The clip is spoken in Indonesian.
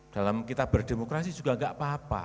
dalam kita berdemokrasi juga nggak apa apa